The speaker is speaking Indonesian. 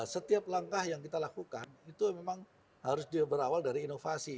setiap langkah yang kita lakukan itu memang harus berawal dari inovasi